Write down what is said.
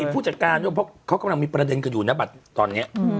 พนะคะว่าเขากำลังมีประเด็นกันอยู่ในบัตรตอนเนี่ย